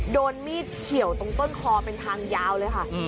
โดนมีดเฉียวตรงต้นคอเป็นทางยาวเลยค่ะ